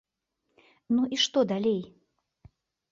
Ну і што далей?